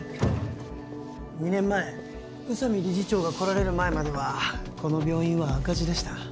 ２年前宇佐美理事長が来られる前まではこの病院は赤字でした